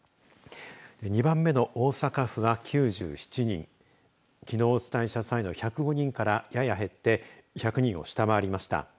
２番目の大阪府は９７人きのうお伝えした際の１０５人からやや減って１００人を下回りました。